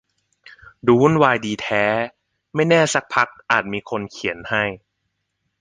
ดูวุ่นวายดีแท้ ไม่แน่ซักพักอาจมีคนเขียน ให้